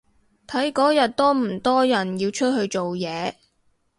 睇嗰日多唔多人要出去做嘢